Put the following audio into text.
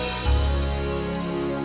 aku saja akan menjaga kalian